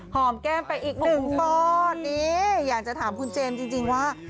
หอมแก้มไปอีกหนึ่งป้อนนี่อยากจะถามคุณเจมส์จริงว่า